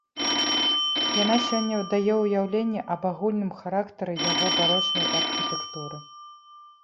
Яна сёння дае ўяўленне аб агульным характары яго барочнай архітэктуры.